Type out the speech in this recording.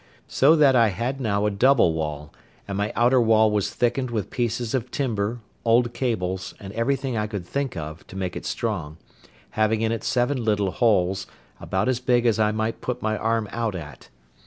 So that I had now a double wall; and my outer wall was thickened with pieces of timber, old cables, and everything I could think of, to make it strong; having in it seven little holes, about as big as I might put my arm out at.